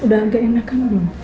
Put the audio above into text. udah agak enak kan belum